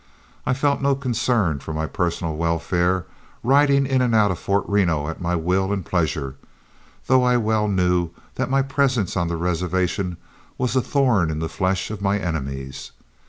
I felt no concern for my personal welfare, riding in and out from Fort Reno at my will and pleasure, though I well knew that my presence on the reservation was a thorn in the flesh of my enemies.